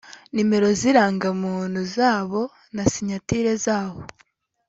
nomero z’indangamuntu zabo na sinyatire zabo